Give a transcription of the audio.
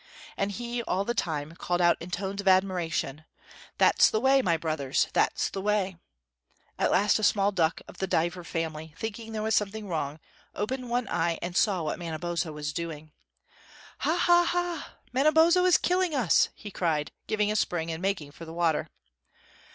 And he all the time called out in tones of admiration: "That's the way, my brothers; that's the way!" At last a small duck, of the diver family, thinking there was something wrong, opened one eye and saw what Manabozho was doing. "Ha ha a! Manabozho is killing us!" he cried, giving a spring and making for the water.